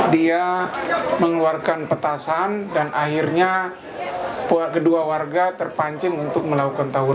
dia mengeluarkan petasan dan akhirnya kedua warga terpancing untuk melakukan tawuran